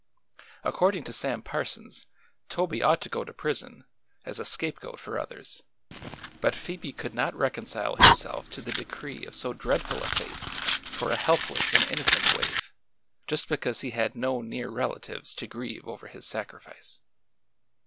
According to Sam Parsons, Toby ought to go to prison, as a scapegoat for others; but Phoebe could not reconcile herself to the decree of so dreadful a fate for a helpless and innocent waif just because he had no near relatives to grieve over his sacrifice.